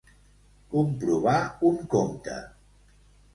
Comprovar un compte.